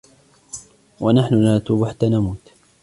وَنَحْنُ لَا نَتُوبُ حَتَّى نَمُوتَ